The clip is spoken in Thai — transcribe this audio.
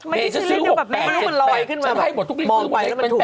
ไม่ที่จะซื้อ๖๘๗๘ฉันให้หมดทุกที่หมดให้เป็น๘๘